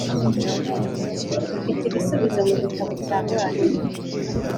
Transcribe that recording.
ifite ibisubizo mu gitabo cya mwarimu